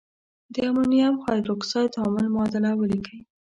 د امونیم هایدرواکساید تعامل معادله ولیکئ.